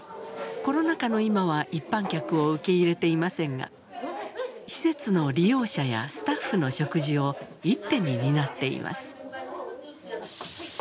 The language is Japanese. コロナ禍の今は一般客を受け入れていませんが施設の利用者やスタッフの食事を一手に担っています。